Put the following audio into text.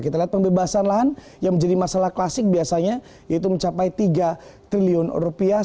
kita lihat pembebasan lahan yang menjadi masalah klasik biasanya yaitu mencapai tiga triliun rupiah